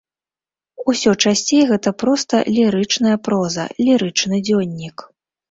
Усё часцей гэта проста лірычная проза, лірычны дзённік.